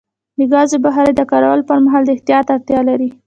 د ګازو بخاري د کارولو پر مهال د احتیاط اړتیا لري.